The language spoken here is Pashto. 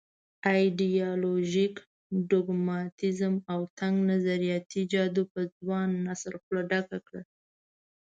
ایډیالوژيک ډوګماتېزم او تنګ نظریاتي جادو په ځوان نسل خوله ډکه کړه.